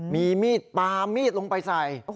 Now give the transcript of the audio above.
มีมีดปามีดลงไปใส่